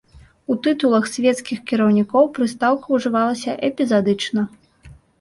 У тытулах свецкіх кіраўнікоў прыстаўка ўжывалася эпізадычна.